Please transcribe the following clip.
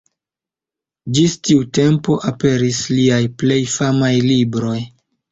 Ĝis tiu tempo aperis liaj plej famaj libroj.